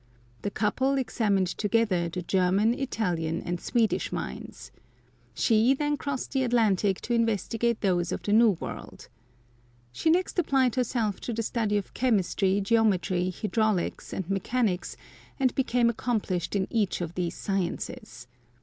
The couple examined together the German, Italian, and Swedish mines. She then crossed the Atlantic to investigate those of the New World. She next applied herself to the study of chemistry, g eometry, hydraulics, and mechanics, and became accomplished in each of these sciences.